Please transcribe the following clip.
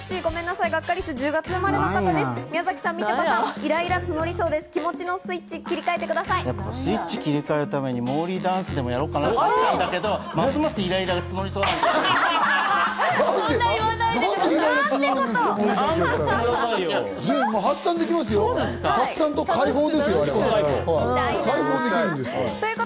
やっぱスイッチ切り替えるためにモーリーダンスでもやろうかなと思ったけど、ますますイライラが募りそうだからやめようかと。